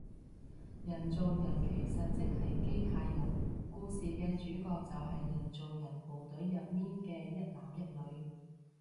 人造人其實即係機械人，故事嘅主角就係人造人部隊入面嘅一男一女